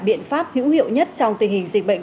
biện pháp hữu hiệu nhất trong tình hình dịch bệnh